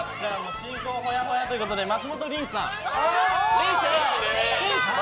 新婚ほやほやということで松本りんすさん。